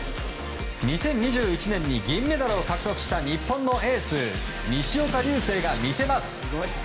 ２０２１年に銀メダルを獲得した日本のエース西岡隆成が見せます。